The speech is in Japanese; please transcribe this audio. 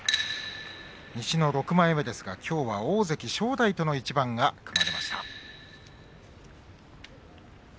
西の６枚目ですが、きょうは大関正代との一番が組まれました。